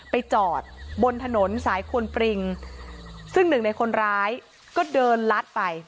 ไปจอดบนถนนสายควนปริงซึ่งหนึ่งในคนร้ายก็เดินลัดไป